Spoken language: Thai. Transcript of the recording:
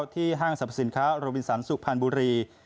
ห้างสรรพสินค้าโรบินสันสุพรรณบุรี